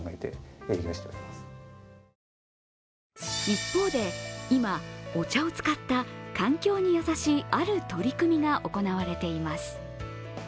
一方で、今、お茶を使った環境に優しい、ある取り組みが行われています。